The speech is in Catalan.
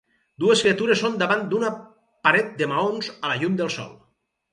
Dues criatures són davant d'una paret de maons a la llum del sol.